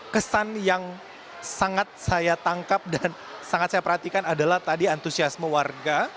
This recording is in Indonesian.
kesan yang sangat saya tangkap dan sangat saya perhatikan adalah tadi antusiasme warga